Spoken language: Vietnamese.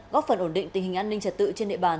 góp phần ổn định tình hình an ninh trật tự trên địa bàn